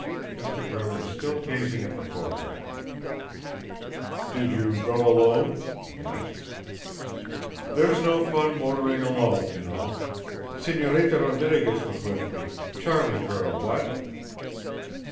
Mr. Grimm was still gazing at the photograph. "Did you go alone?" he asked. "There's no fun motoring alone, you know. Señorita Rodriguez was with me. Charming girl, what?"